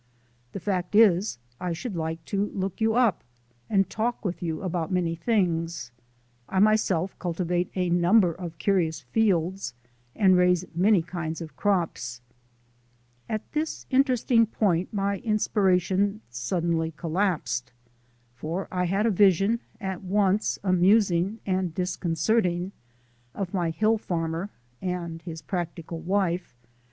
The fact is, I should like to look you up, and talk with you about many things. I myself cultivate a number of curious fields, and raise many kinds of crops At this interesting point my inspiration suddenly collapsed, for I had a vision, at once amusing and disconcerting, of my hill farmer (and his practical wife!)